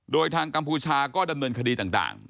โดยทางกัมพูชาก็ดำเนินคดีต่าง